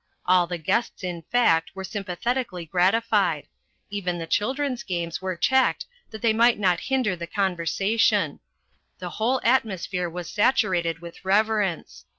All the guests, in fact, were sympathetically gratified; even the children's games were checked that they might not hinder the conversa tion : the whole atmosphere was saturated with reverence.